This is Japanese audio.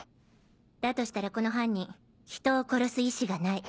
だとしたらこの犯人人を殺す意志がない。